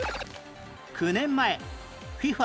９年前 ＦＩＦＡ